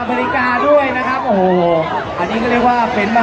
ขอบคุณมากนะคะแล้วก็แถวนี้ยังมีชาติของ